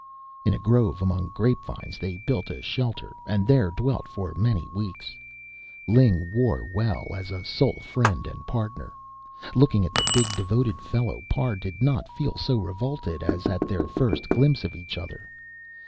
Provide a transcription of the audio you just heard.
In a grove among grape vines they built a shelter, and there dwelt for many weeks. Ling wore well as a sole friend and partner. Looking at the big, devoted fellow, Parr did not feel so revolted as at their first glimpse of each other.